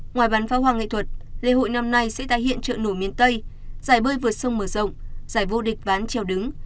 ngoài bắn pháo hoang nghệ thuật lễ hội năm nay sẽ tái hiện trợ nổi miên tây giải bơi vượt sông mở rộng giải vô địch ván treo đứng